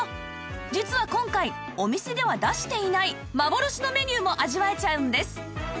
実は今回お店では出していない幻のメニューも味わえちゃうんです